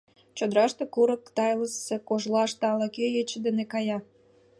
чодыраште, курык тайылысе кожлаште, ала-кӧ ече дене кая.